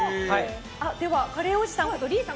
では、カレーおじさんことＬＥＥさん